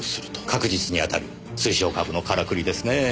確実に当たる推奨株のからくりですねえ。